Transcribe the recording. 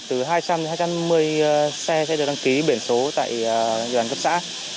theo ước tính thì sẽ có khoảng từ hai trăm linh hai trăm một mươi xe sẽ được đăng ký biển số tại địa bàn cấp xã